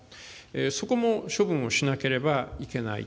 そこも処分をしなければいけない。